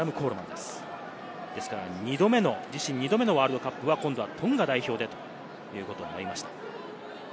ですから、自身２度目のワールドカップ、今度はトンガ代表でということになりました。